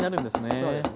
そうですね。